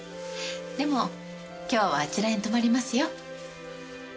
でも今日はあちらに泊まりますよ。